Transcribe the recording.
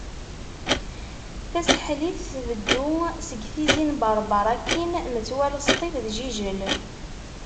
Tasaḥlit tbeddu seg Tizi n Berber akkin metwal Sṭif d Jijel.